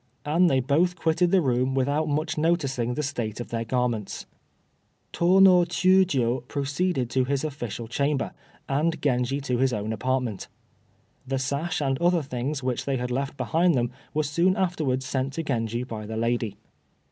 And they both quitted the room without much noticing the state of their garments. Tô no Chiûjiô proceeded to his official chamber, and Genji to his own apartment. The sash and other things which they had left behind them were soon afterwards sent to Genji by the lady.